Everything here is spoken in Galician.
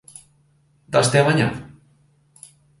Dáste amañado?